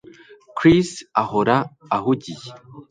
Chris ahora ahugiye